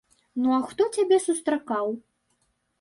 Ну а хто цябе сустракаў?